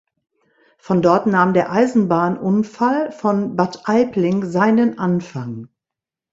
Von dort nahm der Eisenbahnunfall von Bad Aibling seinen Anfang.